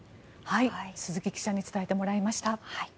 鈴木記者に伝えてもらいました。